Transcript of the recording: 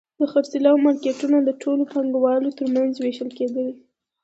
د خرڅلاو مارکېټونه د ټولو پانګوالو ترمنځ وېشل کېدل